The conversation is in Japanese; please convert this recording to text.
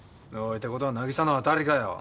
ってことは凪沙のは当たりかよ。